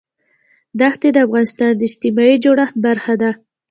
ښتې د افغانستان د اجتماعي جوړښت برخه ده.